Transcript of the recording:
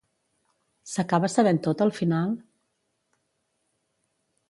S'acaba sabent tot al final?